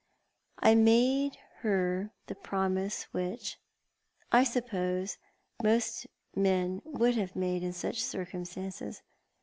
" I made her the promise which, I suppose, most men would have made in such circumstances.